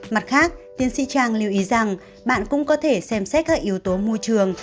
mặt khác tiến sĩ trang lưu ý rằng bạn cũng có thể xem xét các yếu tố môi trường